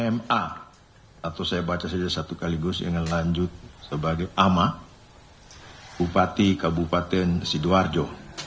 ama atau saya baca saja satu kali yang lanjut sebagai ama bupati kebupaten sidoarjo